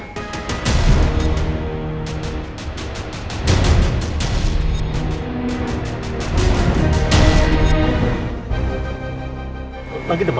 oh makasih ma